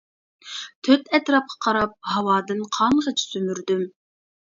تۆت ئەتراپقا قاراپ ھاۋادىن قانغىچە سۈمۈردۈم.